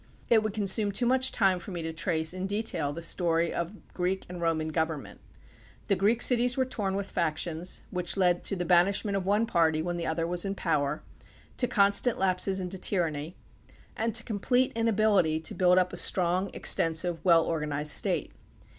It would consume too much time for me to trace in detail the story of Greek and Roman government. The Greek cities were torn with factions, which led to the banishment of one party when the other was in power, to constant lapses into tyranny, and to complete inability to build up a strong, exten 6 THE PUBLIC OPINION BILL sive, well organized state.